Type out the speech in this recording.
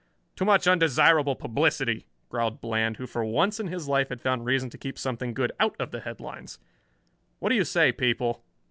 "Too much undesirable publicity," growled Bland, who for once in his life had found reason to keep something good out of the headlines. "What do you say, people?"